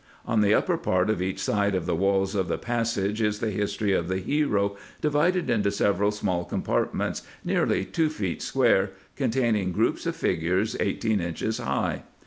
On the upper part of each side of the walls of the passage is the history of the hero divided into several small compartments nearly two feet square, containing groups of figures eighteen inches high.